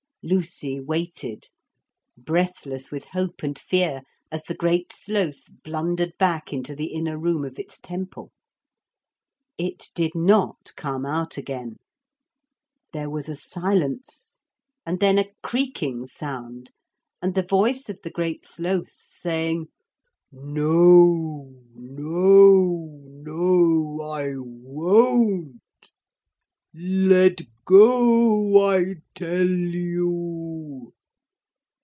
Lucy waited, breathless with hope and fear, as the Great Sloth blundered back into the inner room of its temple. It did not come out again. There was a silence, and then a creaking sound and the voice of the Great Sloth saying: 'No, no, no, I won't. Let go, I tell you.'